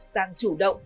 sang chủ động